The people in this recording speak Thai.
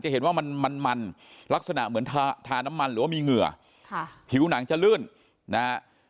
เห็นว่ามันมันลักษณะเหมือนทาน้ำมันหรือว่ามีเหงื่อค่ะผิวหนังจะลื่นนะฮะ